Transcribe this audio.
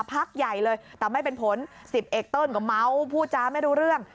พักใหญ่เลยแต่ไม่เป็นผล๑๐เอกเติ้ลก็เมาพูดจ้าไม่รู้เรื่อง